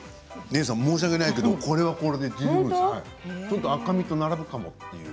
姉さん申し訳ないけどこれは赤身と並ぶかも。